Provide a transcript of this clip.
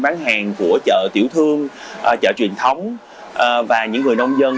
bán hàng của chợ tiểu thương chợ truyền thống và những người nông dân